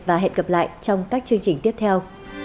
và hẹn gặp lại trong các chương trình tiếp theo